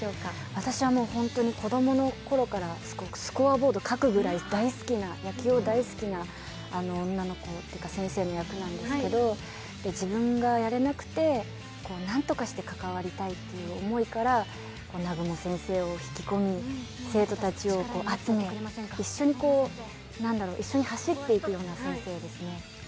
私は子供の頃からスコアボード書くくらい野球を大好きな女の子というか先生の役なんですけど自分がやれなくて、なんとかして関わりたいという思いから、南雲先生を引き込み、生徒たちを集め一緒に走っていくような先生ですね。